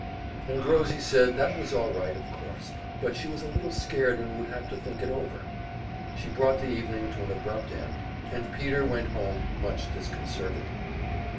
And Rosie said that was all right, of course, but she was a little scared and would have to think it over. She brought the evening to an abrupt end, and Peter went home much disconcerted.